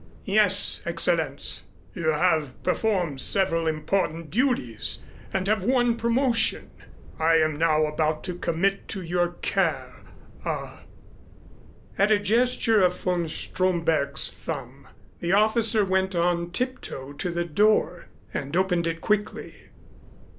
"Yes, Excellenz." "You have performed several important duties and have won promotion. I am now about to commit to your care, a " At a gesture of von Stromberg's thumb the officer went on tiptoe to the door and opened it quickly.